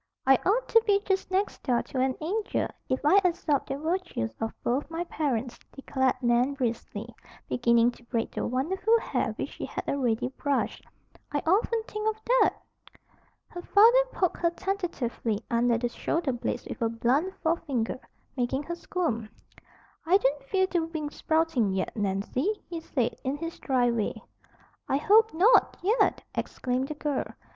"I ought to be just next door to an angel, if I absorbed the virtues of both my parents," declared Nan briskly, beginning to braid the wonderful hair which she had already brushed. "I often think of that." Her father poked her tentatively under the shoulder blades with a blunt forefinger, making her squirm. "I don't feel the wings sprouting yet, Nancy," he said, in his dry way. "I hope not, yet!" exclaimed the girl.